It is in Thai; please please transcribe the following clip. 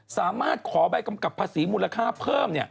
สามารถขอใบกำกับภาษีมูลค่าเพิ่ม